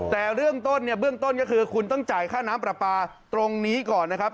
แต่เบื้องต้นเนี่ยเบื้องต้นก็คือคุณต้องจ่ายค่าน้ำปลาปลาตรงนี้ก่อนนะครับ